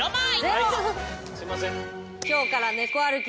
はいすいません。